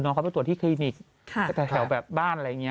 เขาไปตรวจที่คลินิกแถวแบบบ้านอะไรอย่างนี้